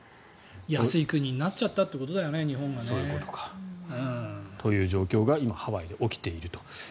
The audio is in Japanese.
安い国になっちゃったということだね、日本が。という状況が今、ハワイで起きていると。